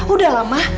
udah lah ma